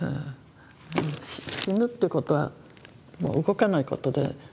死ぬってことはもう動かないことで。